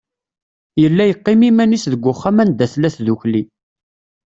Yella yeqqim iman-is deg uxxam anda tella tdukkli.